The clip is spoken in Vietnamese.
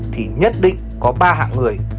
thì nhất định có ba hạng người